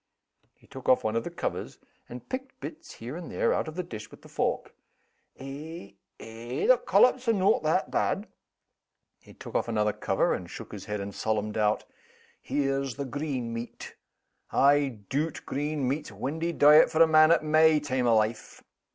He took off one of the covers, and picked bits, here and there, out of the dish with the fork, "Eh! eh! the collops are no' that bad!" He took off another cover, and shook his head in solemn doubt. "Here's the green meat. I doot green meat's windy diet for a man at my time o' life!"